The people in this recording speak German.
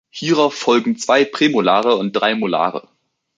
Hierauf folgen zwei Prämolare und drei Molare.